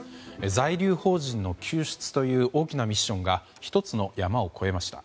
在留邦人の救出という大きなミッションが１つの山を越えました。